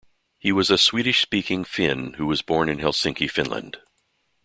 He was a Swedish-speaking Finn who was born in Helsinki, Finland.